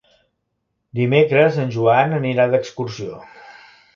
Dimecres en Joan anirà d'excursió.